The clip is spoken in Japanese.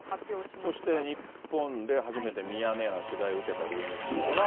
そして、日本で初めてミヤネ屋の取材を受けた理由については。